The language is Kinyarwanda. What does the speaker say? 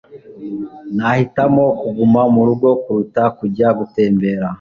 Nahitamo kuguma murugo kuruta kujya gutembera